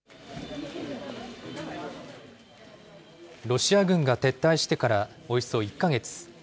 ロシア軍が撤退してからおよそ１か月。